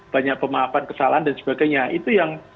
banyak pemahaman kesalahan dan sebagainya itu yang